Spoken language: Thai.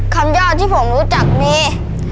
ยอดที่ผมรู้จักมี